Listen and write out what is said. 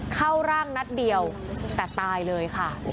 เข้าร่างนัดเดียวแต่ตายเลยค่ะ